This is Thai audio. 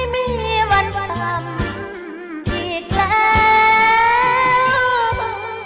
ไม่มีวันต่ำอีกแล้ว